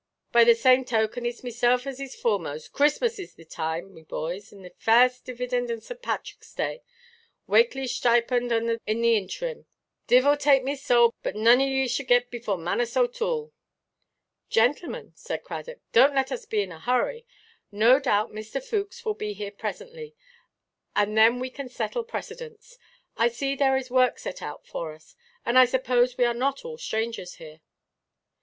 By the same token, itʼs meself as is foremost. Christmas is the time, me boys; and the farst dividend on St. Pathrickʼs Day, wakely sthipend in the intherim. Divil take me sowl, but none o' ye shall git before Manus OʼToole." "Gentlemen," said Cradock, "donʼt let us be in a hurry. No doubt Mr. Fookes will be here presently, and then we can settle precedence. I see there is work set out for us; and I suppose we are not all strangers here."